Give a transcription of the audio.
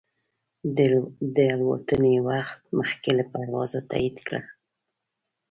د الوتنې وخت مخکې له پروازه تایید کړه.